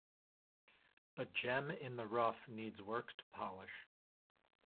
A gem in the rough needs work to polish.